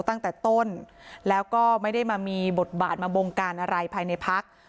ตั้งแต่ต้นแล้วก็ไม่ได้มามีบทบาทมาบงการอะไรภายในพัก